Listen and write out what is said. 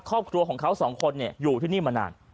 ครอบครัวของเขาสองคนอยู่ที่นี่มานาน